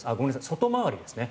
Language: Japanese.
外回りですね。